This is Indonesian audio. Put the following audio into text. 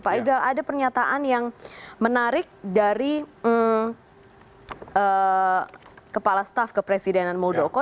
pak ifdal ada pernyataan yang menarik dari kepala staf kepresidenan muldoko